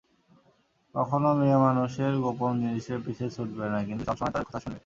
কখনও মেয়েমানুষের গোপন জিনিসের পিছে ছুটবে না, কিন্তু সবসময় তাদের কথা শুনবে।